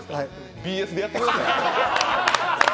ＢＳでやってください。